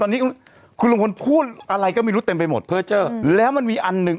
ตอนนี้คุณลุงพลพูดอะไรก็มีรุ่นเต็มไปหมดแล้วมันมีอันหนึ่ง